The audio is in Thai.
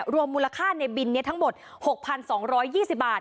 รวมมูลค่าในบินทั้งหมด๖๒๒๐บาท